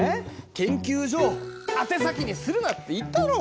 研究所を宛先にするなって言ったろう。